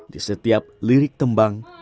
di setiap lirik tembang